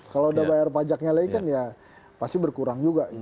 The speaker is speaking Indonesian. kalau udah bayar pajaknya lagi kan ya pasti berkurang juga